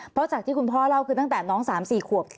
เพราะจากที่คุณพ่อเล่าคือตั้งแต่น้อง๓๔ขวบ